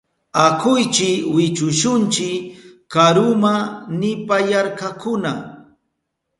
Akuychi wichushunchi karuma, nipayarkakuna.